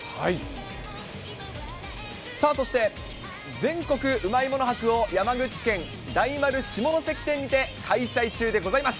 さあ、そして全国うまいもの博を山口県大丸下関店にて開催中でございます。